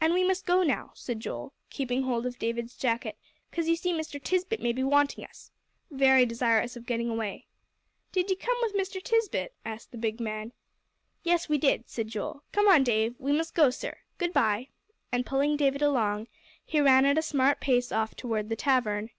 "And we must go now," said Joel, keeping hold of David's jacket, "'cause you see Mr. Tisbett may be wanting us" very desirous of getting away. "Did ye come with Mr. Tisbett?" asked the big man. "Yes, we did," said Joel. "Come on, Dave. We must go, sir. Good by." And pulling David along, he ran at a smart pace off toward the tavern.